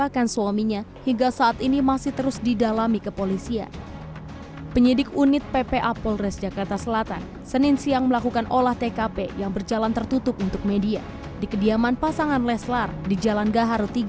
kediaman pasangan leslar di jalan gaharu tiga